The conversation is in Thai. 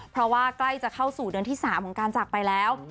เพราะว่าใกล้จะเข้าสู่เดือนที่๓ของการจากไปแล้ว